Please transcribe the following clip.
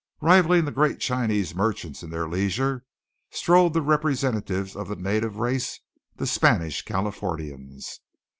Rivalling the great Chinese merchants in their leisure, strolled the representatives of the native race, the Spanish Californians.